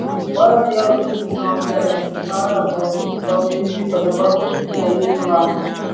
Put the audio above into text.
Wala si hao tu ninaowaombea lakini na wale watakaoniamini kwa sababu ya neno lao